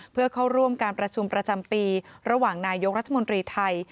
เพื่อเข้าร่วมการประชุมประจำปีระหว่างนายกรัฐมนตรีไทย